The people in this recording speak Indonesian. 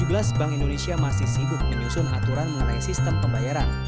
sepanjang dua ribu tujuh belas bank indonesia masih sibuk menyusun aturan mengenai sistem pembayaran